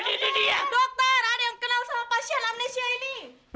dokter ada yang kenal sama pasien amnesia ini